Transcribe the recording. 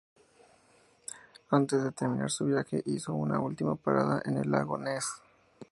Antes de terminar su viaje hizo una última parada en el lago Ness.